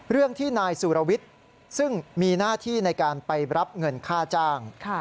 เรื่องที่นายสุรวิทย์ซึ่งมีหน้าที่ในการไปรับเงินค่าจ้าง